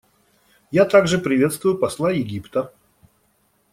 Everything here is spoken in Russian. Я также приветствую посла Египта.